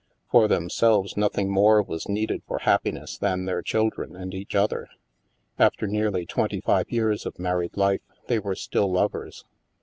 For themselves, nothing more was needed for happiness than their children and each other; after nearly twenty five years of married life, they were still lovers.